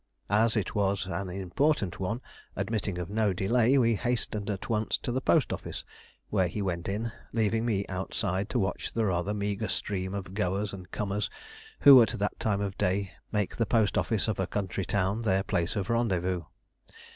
As it was an important one, admitting of no delay, we hasted at once to the post office, where he went in, leaving me outside to watch the rather meagre stream of goers and comers who at that time of day make the post office of a country town their place of rendezvous.